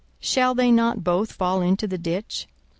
shall they not both fall into the ditch?